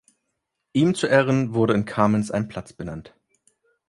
Ihm zu Ehren wurde in Kamenz ein Platz benannt.